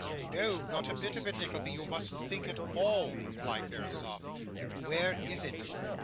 'No, not a bit of it, Nickleby; you mustn't think at all,' replied Verisopht. 'Where is it?